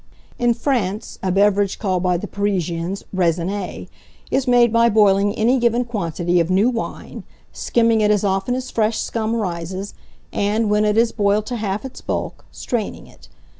In France, a beverage, called by the Parisians raisinée, is made by boiling any given quantity of new wine, skimming it as often as fresh scum rises, and, when it is boiled to half its bulk, straining it.